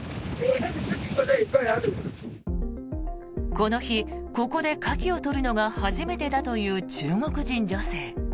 この日、ここでカキを取るのが初めてだという中国人女性。